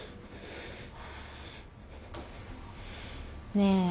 ねえ